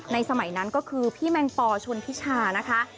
สมัยนั้นก็คือพี่แมงปอชนทิชานะคะ